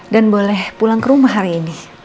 dan boleh pulang ke rumah hari ini